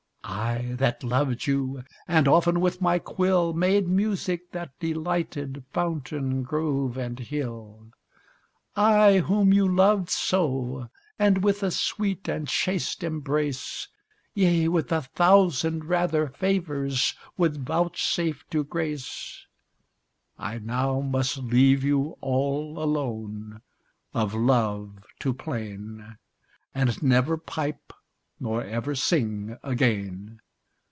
I, that loved you, and often with my quill, Made music that delighted fountain, grove, and hill; I, whom you loved so, and with a sweet and chaste embrace. Yea, with a thousand rather favours, would vouchsafe to grace, I now must leave you all alone, of love to plain; And never pipe, nor never sing again!